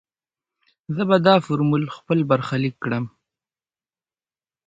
زه به دا فورمول خپل برخليک کړم.